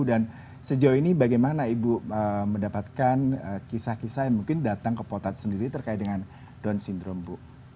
dan sejauh ini bagaimana ibu mendapatkan kisah kisah yang mungkin datang ke potats sendiri terkait dengan down syndrome ibu